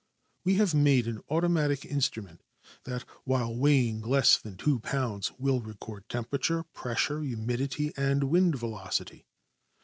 We have made an automatic instrument that, while weighing less than two pounds, will record temperature, pressure, humidity, and wind velocity.